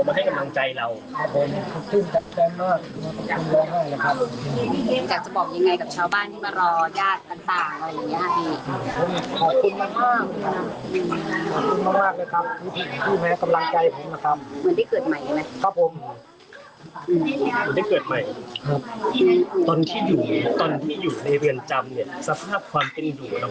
มาให้กำลังใจเราครับผมขึ้นตามใจมากขอบคุณมากมากเลยครับอยากจะบอกยังไงกับชาวบ้านที่มารอยาดต่างต่าง